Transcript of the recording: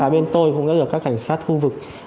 bên tôi cũng đã là các cảnh sát khu vực